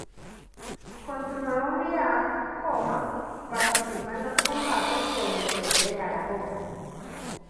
Con su nueva unidad, Comas participa en los combates sobre el frente de Aragón.